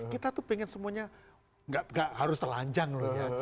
kita tuh pengen semuanya gak harus telanjang loh ya